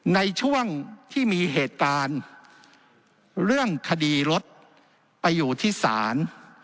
ในช่วงที่มีเหตุการณ์เรื่องคดีรถไปอยู่ที่ศาล